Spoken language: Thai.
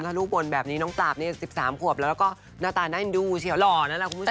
ถ้าลูกบ่นแบบนี้น้องปราบ๑๓ขวบแล้วก็หน้าตาน่าเอ็นดูเฉียวหล่อนั่นแหละคุณผู้ชม